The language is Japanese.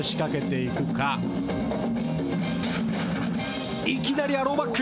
いきなりアローバック。